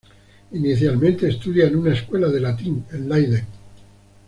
Inicialmente estudia en una "Escuela de Latín" en Leiden.